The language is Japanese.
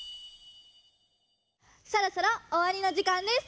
そろそろおわりのじかんです！